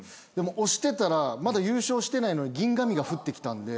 押してたらまだ優勝してないのに銀紙が降ってきたんで。